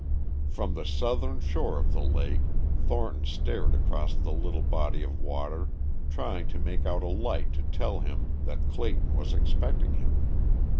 From the southern shore of the lake Thornton stared across the little body of water trying to make out a light to tell him that Clayton was expecting him.